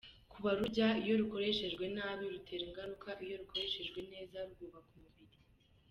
Ku barurya, iyo rukoresheshwe nabi rutera ingaruka, iyo rukoreshejwe neza rwubaka umubiri.